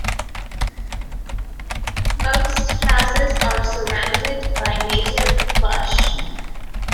Most houses are surrounded by native bush.